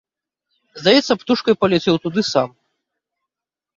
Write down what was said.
Здаецца б, птушкай паляцеў туды сам.